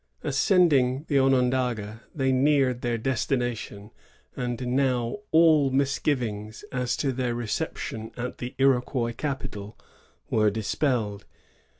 Ascending the Onondaga, they neared their destination; and now all misgivings as to their reception at the Iroquois capital were dis pelled.